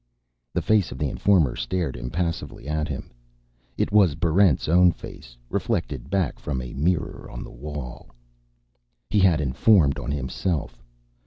_ The face of the informer stared impassively at him. It was Barrent's own face, reflected back from a mirror on the wall. He had informed on himself.